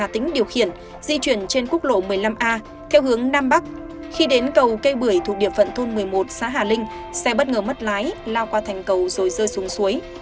trong lúc di chuyển trên quốc lộ một mươi năm a xe đầu kéo mang biển kiểm soát lào bất ngờ mất lái lao qua thành cầu rồi rơi xuống suối